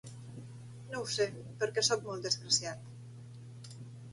No ho sé, perquè soc molt desgraciat.